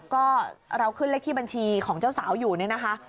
ก็เราขึ้นเลขที่บัญชีของเจ้าสาวอยู่เนี่ยนะคะ